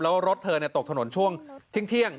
แล้วรถเธอตกถนนช่วงเที่ยง